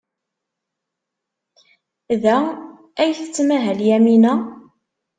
Da ay tettmahal Yamina?